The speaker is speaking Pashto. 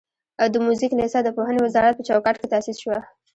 د موزیک لیسه د پوهنې وزارت په چوکاټ کې تاسیس شوه.